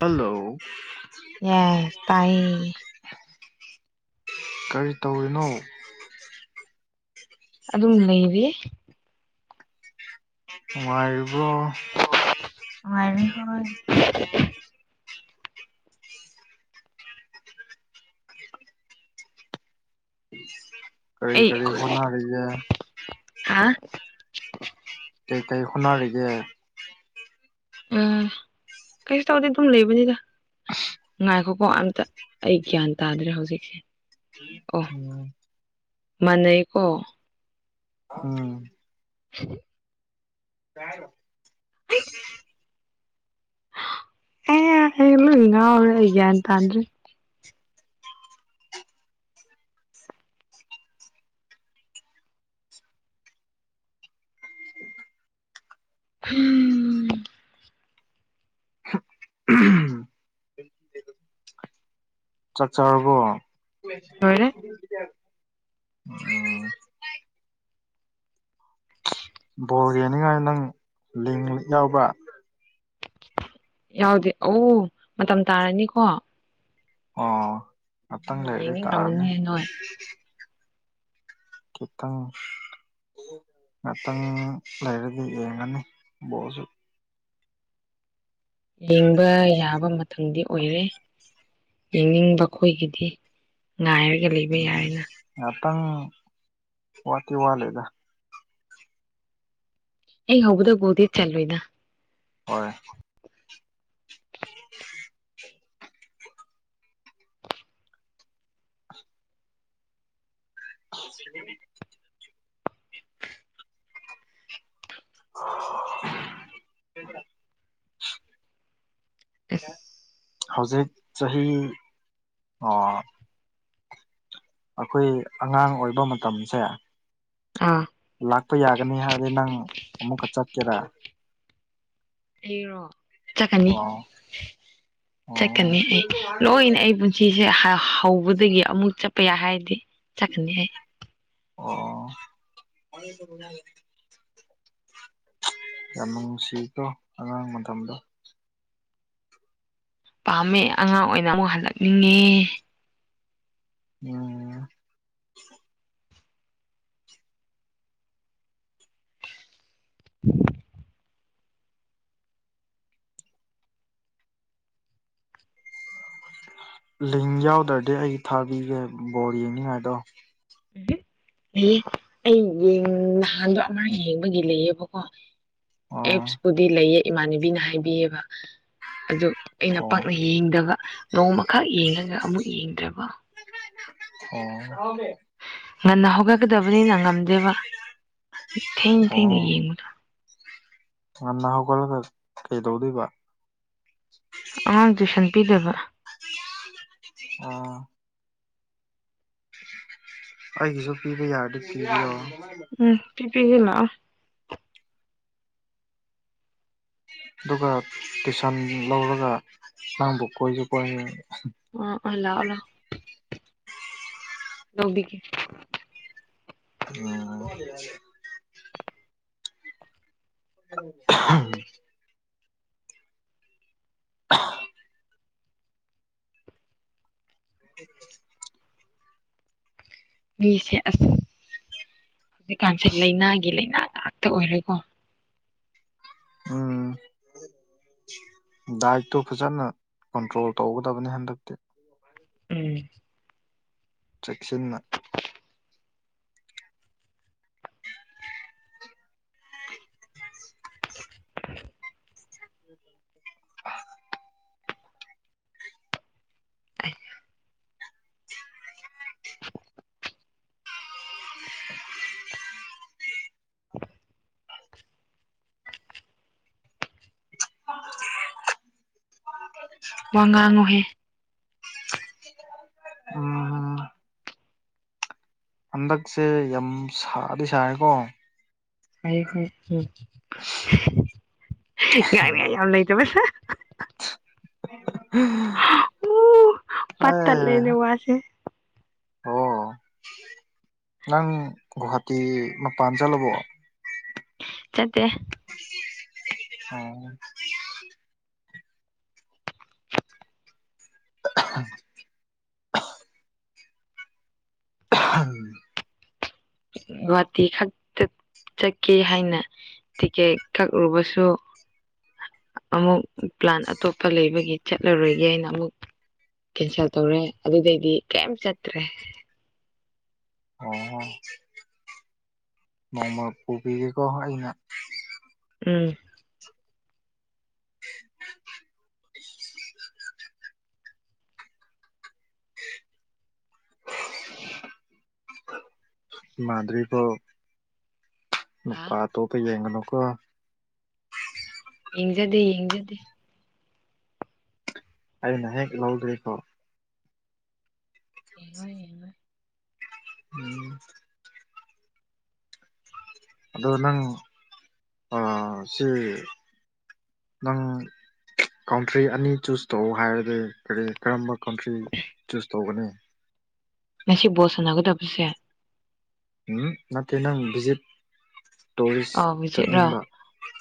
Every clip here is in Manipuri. ꯍꯜꯂꯣ ꯌꯦꯁ ꯇꯥꯏ ꯀꯔꯤ ꯇꯧꯔꯤꯅꯣ ꯑꯗꯨꯝ ꯂꯩꯔꯤ ꯉꯅꯨꯡꯉꯥꯏꯔꯤꯕ꯭ꯔꯣ ꯃꯥꯏ ꯍ ꯀꯔꯤ ꯑꯩ ꯀꯔꯤ ꯍꯅꯔꯌꯦ ꯍꯥ ꯇ ꯇꯩ ꯁꯣꯅꯔꯔꯒꯦ ꯑ ꯀꯩꯁꯨ ꯇꯧꯗꯦ ꯑꯗꯨꯝ ꯂꯩꯕꯅꯤꯗ ꯉꯥꯏꯈꯣꯀꯣ ꯑꯝꯇ ꯑꯩ ꯒ꯭ꯌꯥꯟ ꯇꯥꯗ꯭ꯔꯦ ꯍꯧꯖꯤꯛꯁꯦ [unintelligible] ꯃꯥꯅꯩꯀꯣ ꯎꯝ [unintelligible] [unintelligible] [unintelligible] ꯉꯥꯎꯔꯦ ꯑꯩ ꯒ꯭ꯌꯥꯟ ꯇꯥꯗ꯭ꯔꯤ [unintelligible] ꯍꯝ [unintelligible] ꯆꯥꯛ ꯆꯥꯔꯕꯣ ꯂꯣꯏꯔꯦ [unintelligible] ꯎꯝ ꯕꯣꯜ ꯌꯦꯡꯅꯤꯉꯥꯏ ꯅꯪ ꯂꯤꯡ ꯗꯤ ꯌꯥꯎꯕ꯭ꯔꯥ ꯌꯥꯎꯗꯦ ꯑꯧ ꯃꯇꯝ ꯇꯥꯔꯅꯤꯀꯣ ꯑꯣ ꯉꯥꯛꯇꯪ ꯎꯝ ꯂꯩꯔꯗꯤ ꯇꯥꯔꯅꯤ ꯌꯦꯡꯅꯤꯡꯔꯝꯃꯅꯤ ꯅꯣꯏ ꯈꯤꯇꯪ ꯉꯥꯇꯪ ꯂꯩꯔꯗꯤ ꯌꯦꯡꯉꯅꯤ ꯕꯣꯜꯁꯨ ꯌꯦꯡꯕ ꯌꯥꯕ ꯃꯇꯝꯗꯤ ꯑꯣꯏꯔꯦ ꯌꯦꯡꯅꯤꯡꯕ ꯈꯣꯏꯒꯤꯗꯤ ꯉꯥꯏꯔꯒ ꯂꯩꯕ ꯌꯥꯔꯦꯅ ꯉꯥꯇꯪ ꯋꯥꯠꯇꯤ ꯋꯥꯠꯂꯤꯗ ꯍꯦꯛ ꯍꯧꯕꯗ ꯒꯣꯜꯗꯤ ꯆꯜꯂꯣꯏꯗꯥ ꯍꯣꯏ [unintelligible] [unintelligible] [unintelligible] ꯑꯁ ꯍꯧꯖꯤꯛ ꯆꯍꯤ ꯑ ꯑꯩꯈꯣꯏ ꯑꯉꯥꯡ ꯑꯣꯏꯕ ꯃꯇꯝꯁꯦ ꯑꯥ ꯂꯥꯛꯄ ꯌꯥꯒꯅꯤ ꯍꯥꯏꯔꯗꯤ ꯅꯪ ꯑꯃꯨꯛꯀ ꯆꯠꯀꯦꯔꯥ ꯑꯩꯔꯣ ꯆꯠꯀꯅꯤ ꯑꯣ ꯑꯣ ꯆꯠꯀꯅꯤ ꯑꯩ ꯂꯣꯏꯅ ꯑꯩ ꯄꯨꯟꯁꯤꯁꯦ ꯍꯥ ꯍꯧꯕꯗꯒꯤ ꯑꯃꯨꯛ ꯆꯠ ꯄꯌꯥꯏ ꯍꯥꯏꯔꯗꯤ ꯆꯠꯀꯅꯤꯍꯦ ꯑꯣ [unintelligible] ꯌꯥꯝ ꯅꯨꯡꯁꯤꯀꯣ ꯑꯉꯥꯡ ꯃꯇꯝꯗꯣ ꯄꯥꯝꯃꯦ ꯑꯉꯥꯡ ꯑꯣꯏꯅ ꯑꯃꯨꯛ ꯍꯜꯂꯛꯅꯤꯡꯉꯦ ꯎꯝ ꯂꯤꯡ ꯌꯥꯎꯗ꯭ꯔꯗꯤ ꯑꯩ ꯊꯥꯕꯤꯒꯦ ꯕꯣꯜ ꯌꯦꯡꯅꯤꯡꯉꯥꯏꯗꯣ ꯂꯩꯌꯦ ꯑꯩ ꯌꯦꯡ ꯅꯍꯥꯟꯗꯣ ꯑꯃ ꯌꯦꯡꯕꯒꯤ ꯂꯩꯌꯦꯕꯀꯣ ꯑꯣ ꯑꯦꯛꯁꯄꯨꯗꯤ ꯂꯩꯌꯦ ꯏꯃꯥꯟꯅꯕꯤꯅ ꯍꯥꯏꯕꯤꯌꯦꯕ ꯑꯗꯨ ꯑꯩꯅ ꯑꯣ ꯄꯥꯛꯅ ꯌꯦꯡꯗꯕ ꯅꯣꯡꯃꯈꯛ ꯌꯦꯡꯉꯒ ꯑꯃꯨꯛ ꯌꯦꯡꯗ꯭ꯔꯕ [unintelligible] ꯑꯣ [unintelligible] ꯉꯟꯅ ꯍꯧꯒꯠꯀꯗꯕꯅꯤꯅ ꯉꯝꯗꯦꯕ ꯊꯦꯡ ꯊꯦꯡꯅ ꯑꯣ ꯌꯦꯡꯕ ꯉꯟꯅ ꯍꯧꯒꯠꯂꯒ ꯀꯩꯇꯧꯗꯣꯏꯕ ꯑꯉꯥꯡ ꯇꯨꯏꯁꯟ ꯄꯤꯗꯕ ꯑꯣ ꯑꯩꯒꯤꯁꯨ ꯄꯤꯕ ꯌꯥꯔꯗꯤ ꯄꯤꯕꯤꯌꯣ ꯎꯝ ꯄꯤꯕꯤꯒꯦ ꯂꯥꯛꯑꯣ ꯑꯗꯨꯒ ꯇꯨꯏꯁꯟ ꯂꯧꯔꯒ ꯅꯪꯕꯨ ꯀꯣꯏꯒꯦꯀꯣ ꯍꯌꯦꯡ ꯎꯝ ꯎꯝ ꯂꯥꯛꯑꯣ ꯂꯥꯛꯑꯣ ꯂꯧꯕꯤꯒꯦ ꯑꯣ [unintelligible] [unintelligible] [inaudible] ꯃꯤꯁꯦ ꯑꯁ ꯍꯧꯖꯤꯛꯀꯥꯟꯁꯦ ꯂꯩꯅꯥꯒꯤ ꯂꯩꯅꯥ ꯉꯥꯛꯇ ꯑꯣꯏꯔꯦꯀꯣ ꯑꯝ ꯗꯥꯏꯠꯇꯣ ꯐꯖꯅ ꯀꯟꯇ꯭ꯔꯣꯜ ꯇꯧꯒꯗꯕꯅꯤ ꯍꯟꯗꯛꯇꯤ ꯑꯝ ꯆꯦꯛꯁꯤꯟꯅ [inaudible] [inaudible] [inaudible] [inaudible] [inaudible] [inaudible] ꯋꯥ ꯉꯥꯉꯣꯍꯦ ꯎꯝ ꯍꯟꯗꯛꯁꯦ ꯌꯥꯝ ꯁꯥꯗꯤ ꯁꯥꯌꯦꯀꯣ ꯑꯩ [inaudible] ꯉꯥꯡ ꯅꯉꯥꯏ ꯌꯥꯝ ꯂꯩꯇꯕꯁꯦ ꯑꯥꯏ ꯂꯩꯅ ꯋꯥꯁꯦ ꯑꯣ ꯅꯪ ꯒꯨꯋ꯭ꯍꯥꯇꯤ ꯃꯄꯥꯟ ꯆꯠꯂꯕꯣ ꯆꯠꯇꯦ [inaudible] [inaudible] ꯑꯍꯝ ꯒꯨꯋꯥꯇꯤ ꯈꯛꯇ ꯆꯠꯀꯦ ꯍꯥꯏꯅ ꯇꯤꯀꯦꯠ ꯀꯛꯔꯨꯕꯁꯨ ꯑꯃꯨꯛ ꯄ꯭ꯂꯥꯟ ꯑꯇꯣꯞꯄ ꯂꯩꯕꯒꯤ ꯆꯠꯂꯔꯣꯏꯒꯦ ꯍꯥꯏꯅ ꯑꯃꯨꯛ ꯀꯦꯟꯁꯦꯜ ꯇꯧꯔꯦ ꯑꯗꯨꯗꯩꯗꯤ ꯀꯌꯦꯝ ꯆꯠꯇ꯭ꯔꯦ ꯑꯣ ꯅꯣꯡꯃ ꯄꯨꯕꯤꯒꯦꯀꯣ ꯑꯩꯅ ꯎꯝ [inaudible] ꯃꯥꯗ꯭ꯔꯤꯕꯣ ꯍꯥ ꯅꯨꯄꯥ ꯑꯇꯣꯞꯄ ꯌꯦꯡꯒꯅꯣꯀꯣ ꯌꯦꯡꯖꯗꯦ ꯌꯦꯡꯖꯗꯦ ꯑꯩꯅ ꯍꯦꯛ ꯂꯧꯗ꯭ꯔꯤꯀꯣ ꯌꯦꯡꯉꯣꯏ ꯌꯦꯡꯉꯣꯏ ꯎꯝ ꯑꯗꯣ ꯅꯪ ꯑ ꯁꯤ ꯅꯪ ꯀꯟꯇ꯭ꯔꯤ ꯑꯅꯤ ꯆꯨꯁ ꯇꯧ ꯍꯥꯏꯔꯗꯤ ꯀꯔꯤ ꯀꯔꯝꯕ ꯀꯟꯇ꯭ꯔꯤ ꯆꯨꯁ ꯇꯧꯒꯅꯤ ꯉꯁꯤ ꯕꯣꯜ ꯁꯥꯟꯅꯒꯗꯕꯁꯦ ꯑꯝ ꯅꯠꯇꯦ ꯅꯪ ꯚꯤꯖꯤꯞ ꯇꯨꯔꯤꯁ ꯆꯠꯅꯤꯡꯕ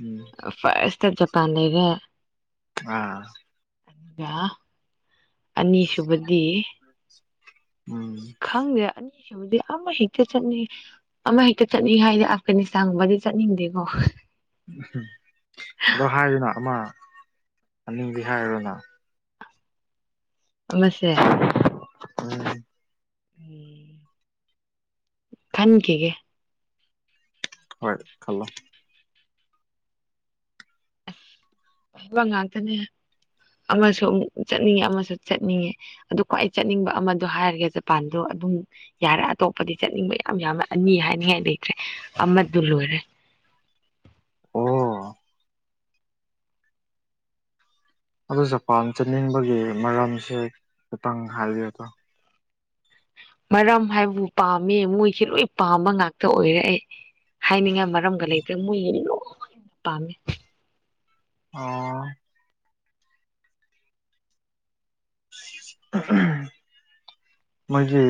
ꯎꯝ ꯐꯁꯠꯇ ꯖꯄꯥꯟ ꯂꯩꯔꯦ ꯑꯥ ꯑꯗꯨꯒ ꯑꯅꯤꯁꯨꯕꯗꯤ ꯎꯝ ꯈꯪꯗꯦ ꯑꯅꯤꯁꯤꯕꯨꯗꯤ ꯑꯃ ꯍꯦꯛꯇ ꯆꯠꯅꯤꯡꯉꯤ ꯑꯃ ꯍꯦꯛꯇ ꯆꯠꯅꯤ ꯍꯥꯏꯗꯤ ꯑꯐꯒꯅꯤꯁꯇꯥꯟꯒꯨꯝꯕꯗꯤ ꯆꯠꯅꯤꯡꯗꯦꯀꯣ [inaudible] ꯑꯗꯣ ꯍꯥꯏꯗꯅ ꯑꯃ ꯑꯅꯤꯗꯤ ꯍꯥꯏꯔꯣꯅ ꯑꯃꯁꯦ [inaudible] [inaudible] ꯈꯟꯈꯤꯒꯦ ꯍꯣꯏ ꯈꯜꯂꯣ ꯍꯥꯏꯕ ꯉꯥꯛꯇꯅꯦ ꯑꯃꯁꯨ ꯑꯃꯨꯛ ꯆꯠꯅꯤꯡꯉꯦ ꯑꯃꯁꯨ ꯆꯠꯅꯤꯡꯉꯦ ꯑꯗꯨ ꯈ꯭ꯋꯥꯏ ꯆꯠꯅꯤꯡꯕ ꯑꯃꯗꯣ ꯍꯥꯏꯔꯒꯦ ꯖꯄꯥꯟꯗꯣ ꯑꯗꯨꯝ ꯌꯥꯔꯦ ꯑꯇꯣꯞꯄꯗꯤ ꯆꯠꯅꯤꯡꯕ ꯌꯥꯝ ꯌꯥꯝꯃꯦ ꯑꯅꯤ ꯍꯥꯏꯅꯤꯡꯉꯥꯏ ꯂꯩꯇ꯭ꯔꯦ ꯑꯃꯗꯨ ꯂꯣꯏꯔꯦ ꯑꯣ ꯑꯗꯨ ꯖꯄꯥꯝ ꯆꯅꯤꯡꯕꯒꯤ ꯃꯔꯝꯁꯦ ꯈꯤꯇꯪ ꯍꯥꯏꯕꯤꯑꯣꯗꯣ ꯃꯔꯝ ꯍꯥꯏꯕꯨ ꯄꯥꯝꯃꯦ ꯃꯣꯏꯁꯦ ꯂꯣꯏ ꯄꯥꯝꯕ ꯉꯥꯛꯇ ꯑꯣꯏꯔꯛꯑꯩ ꯍꯥꯏꯅꯤꯡꯉꯥꯏ ꯃꯔꯝꯒ ꯂꯩꯇ꯭ꯔꯦ ꯃꯣꯏꯒꯤ ꯂꯣꯏ ꯄꯥꯝꯃꯦ ꯑꯣ ꯃꯥꯣꯏꯒꯤ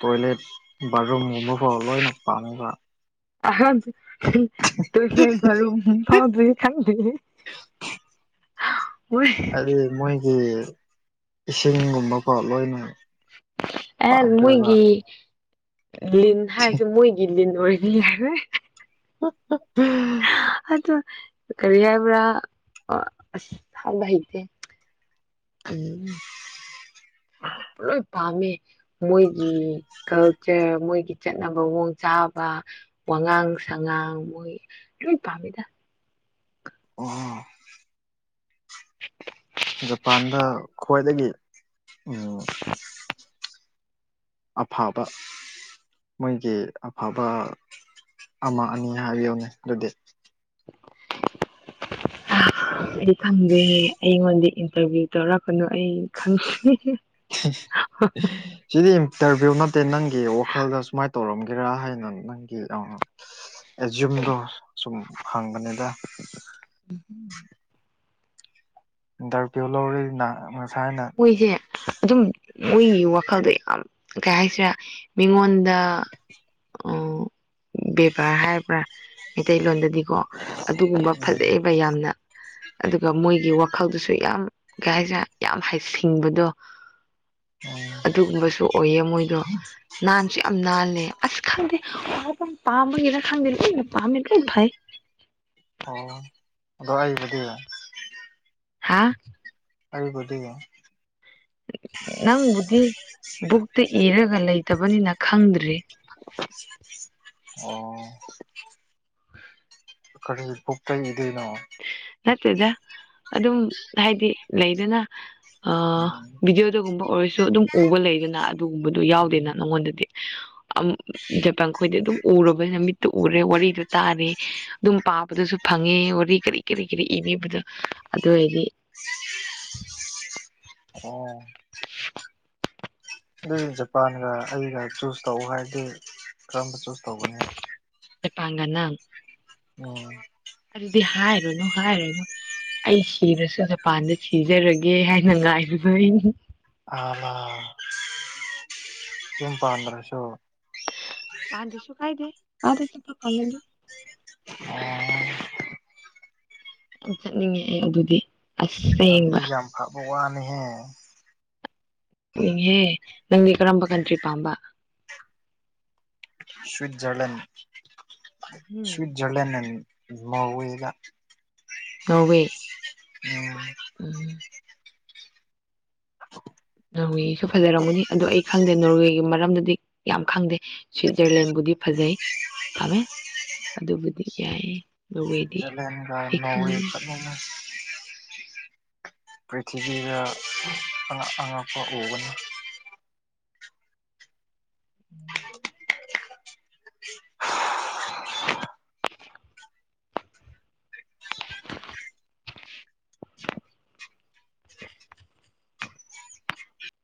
ꯇꯣꯏꯂꯦꯠ ꯕꯥꯔꯨꯝꯝ ꯐꯥꯎ ꯂꯣꯏꯅꯄꯝꯕ ꯇꯣꯏꯂꯦꯠ ꯕꯔꯨꯝ ꯐꯥꯎꯗꯤ ꯈꯪꯗꯦ ꯃꯣꯏ ꯍꯥꯏꯗꯤ ꯃꯣꯏꯒꯤ ꯏꯁꯤꯡꯒꯨꯝꯕꯀꯣ ꯂꯣꯏꯅ ꯑꯦ ꯄꯥꯝꯈ꯭ꯔꯦꯕ ꯃꯣꯏꯒꯤ ꯂꯤꯟ ꯍꯥꯏꯁꯦ ꯃꯣꯏꯒꯤ ꯂꯤꯟ ꯅꯣꯏꯔꯗꯤ ꯌꯔꯦ [unintelligible] ꯑꯗꯣ ꯀꯔꯤ ꯍꯥꯏꯕ꯭ꯔ ꯍꯥꯏꯕꯍꯩꯇꯦ ꯎꯝ ꯂꯣꯏ ꯄꯝꯃꯦ ꯃꯣꯏꯒꯤ ꯀꯜꯆꯔ ꯃꯣꯏꯒꯤ ꯆꯠꯅꯕ ꯃꯑꯣꯡ ꯆꯥꯕ ꯋꯥꯉꯥꯡ ꯁꯉꯥꯡ ꯃꯣꯏ ꯂꯣꯏ ꯄꯥꯝꯃꯤꯗ ꯑꯣ ꯖꯄꯥꯟꯗ ꯈ꯭ꯋꯥꯏꯗꯒꯤ ꯎꯝ ꯑꯐꯕ ꯃꯣꯏꯒꯤ ꯑꯐꯕ ꯑꯃ ꯑꯅꯤ ꯍꯥꯏꯕꯤꯌꯣꯅꯦ ꯑꯗꯨꯗꯤ [inaudible] ꯑꯩꯗꯤ ꯈꯪꯗꯦ ꯑꯩꯉꯣꯟꯗ ꯏꯟꯇꯔꯚꯤꯌꯨ ꯇꯧꯔꯛꯄꯅꯨ ꯑꯩ ꯈꯪꯗꯦ [inaudible] ꯁꯤꯗꯤ ꯏꯟꯇꯔꯚꯤꯌꯨ ꯅꯠꯇꯦ ꯅꯪꯒꯤ ꯋꯥꯈꯜꯗ ꯁꯨꯃꯥꯏꯅ ꯇꯧꯔꯝꯒꯦꯔꯥ ꯍꯥꯏꯅ ꯅꯪꯒꯤ ꯑ ꯑꯦꯖꯨꯝꯗꯣ ꯁꯨꯝ ꯍꯪꯒꯅꯤꯗ ꯎꯝ ꯑꯤꯟꯇꯔꯕ꯭ꯎ ꯂꯧꯔꯦꯅ ꯃꯣꯏꯁꯦ ꯑꯗꯨꯝ ꯃꯣꯏꯒꯤ ꯋꯥꯈꯜꯗꯣ ꯌꯥꯝ ꯀꯩ ꯍꯥꯏꯁꯤꯔꯦ ꯃꯤꯉꯣꯟꯗ ꯕꯦꯕꯥꯔ ꯍꯥꯏꯕ꯭ꯔꯥ ꯃꯩꯇꯩꯂꯣꯟꯗꯗꯤ ꯍꯥꯏꯗꯤꯀꯣ ꯑꯗꯨꯒꯨꯝꯕ ꯎꯝ ꯐꯖꯩꯑꯕ ꯌꯥꯝꯅ ꯑꯗꯨꯒ ꯃꯣꯏꯒꯤ ꯋꯥꯈꯜꯗꯨꯁꯨ ꯌꯥꯝ ꯀꯩ ꯍꯥꯏꯁꯔꯦ ꯌꯥꯝ ꯍꯥꯏ ꯁꯤꯡꯕꯗꯣ ꯑꯗꯨꯒꯨꯝꯕꯁꯨ ꯑꯣꯏꯌꯦ ꯃꯣꯏꯗꯣ ꯅꯥꯟꯁꯨ ꯌꯥꯝ ꯅꯥꯜꯂꯦ ꯑꯁ ꯈꯪꯗꯦ ꯋꯥ ꯄꯥꯝꯕꯒꯤꯅ ꯈꯪꯗꯦ ꯂꯩꯅ ꯄꯥꯝꯃꯦ ꯂꯣꯏ ꯐꯩ ꯑꯣ ꯑꯗꯣ ꯑꯩꯕꯨꯗꯤ ꯍꯥꯥ ꯑꯩꯕꯨꯗꯤ ꯅꯪꯕꯨꯗꯤ ꯕꯨꯛꯇ ꯏꯔꯒ ꯂꯩꯇꯕꯅꯤꯅ ꯈꯪꯗ꯭ꯔꯤ ꯑꯣ [inaudible] ꯀꯔꯤ ꯄꯨꯞꯇ ꯏꯗꯩꯅꯣ ꯅꯠꯇ꯭ꯔꯗ ꯑꯗꯨꯝ ꯍꯥꯏꯗꯤ ꯂꯩꯗꯅ ꯑ ꯎꯝ ꯕꯤꯗꯤꯑꯣꯗꯒꯨꯝꯕ ꯑꯣꯏꯔꯁꯨ ꯑꯗꯨꯝ ꯎꯕ ꯂꯩꯗꯅ ꯑꯗꯨꯒꯨꯝꯕꯗꯨꯣ ꯌꯥꯎꯗꯦꯅ ꯅꯉꯣꯟꯗꯗꯤ [unintelligible] ꯖꯄꯥꯟ ꯈꯣꯏꯗꯤ ꯑꯗꯨꯝ ꯎꯨꯔꯕ ꯅꯨꯃꯤꯠꯇꯨ ꯎꯔꯦ ꯋꯥꯔꯤꯗꯨ ꯇꯥꯔꯦ ꯑꯗꯨꯝ ꯄꯥꯕꯗꯁꯨ ꯐꯪꯉꯦ ꯋꯥꯔꯤ ꯀꯔꯤ ꯀꯔꯤ ꯀꯔꯤ ꯏꯕꯤꯕꯗꯣ ꯑꯗꯨ ꯑꯣꯏꯔꯗꯤ ꯑꯣ ꯑꯗꯨ ꯖꯄꯥꯟꯒ ꯑꯩꯒ ꯆꯨꯁ ꯇꯧ ꯍꯥꯏꯔꯗꯤ ꯀꯔꯝꯕ ꯆꯨꯁ ꯇꯧꯕꯅꯤ ꯆ ꯄꯥꯉꯅ ꯎꯝ ꯑꯗꯨꯗꯤ ꯍꯥꯏꯔꯨꯅꯨ ꯍꯥꯏꯔꯅꯨ ꯑꯩ ꯁꯤꯔꯁꯨ ꯖꯄꯥꯟꯗ ꯁꯤꯖꯔꯒꯦ ꯍꯥꯏꯅ ꯉꯥꯏꯔꯤꯕ ꯑꯩꯅꯤ ꯑꯂ ꯌꯨꯝ ꯄꯟꯗ꯭ꯔꯁꯨ ꯄꯥꯟꯗꯁꯨ ꯀꯥꯏꯗꯦ ꯀꯥꯏꯗ ꯆ ꯄꯛꯗꯤ ꯑ ꯌꯥꯝ ꯆꯠꯅꯤꯡꯉꯦ ꯑꯩ ꯑꯗꯨꯗꯤ ꯑꯁꯦꯡꯕ ꯑꯗꯨꯗꯤ ꯌꯥꯝ ꯐꯕ ꯋꯥꯅꯤꯍꯦ ꯅꯤꯡꯍꯦ ꯅꯪꯗꯤ ꯀꯔꯝꯕ ꯀꯟꯇ꯭ꯔꯤ ꯄꯥꯝꯕ ꯁ꯭ꯋꯠꯖꯔꯂꯟ ꯎꯝ ꯁ꯭ꯋꯠꯖꯔꯂꯟ ꯃꯑꯣ ꯏꯒ ꯅꯧꯋꯦ ꯎꯝ ꯎꯝ ꯅꯤꯁꯨ ꯐꯖꯔꯝꯒꯅꯤ ꯑꯗꯣ ꯑꯩ ꯈꯪꯗꯦ ꯅꯣꯔꯋꯦꯒꯤ ꯃꯔꯝꯗꯗꯤ ꯌꯥꯝ ꯈꯪꯗꯦ ꯁ꯭ꯋꯤꯠꯖꯔꯂꯦꯟꯕꯨꯗꯤ ꯐꯖꯩ ꯐꯥꯝꯃꯦ ꯑꯗꯨꯕꯨꯗꯤ ꯌꯥꯏꯌꯦ ꯅꯣꯔꯋꯦꯗꯤ ꯁ꯭ꯋꯠꯖꯔꯂꯦꯟꯒ ꯑꯩ ꯅꯣꯋꯦ ꯈꯪꯗꯦ ꯐ ꯄ꯭ꯔꯤꯊꯤꯕꯤꯗ ꯑꯛ ꯑꯉꯛꯄ ꯎꯒꯅꯤ [inaudible]